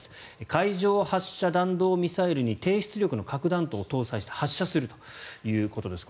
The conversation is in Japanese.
海上発射弾道ミサイルに低出力の核弾頭を搭載して発射するということです。